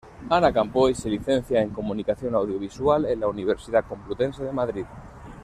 Ana Campoy se licencia en Comunicación Audiovisual en la Universidad Complutense de Madrid.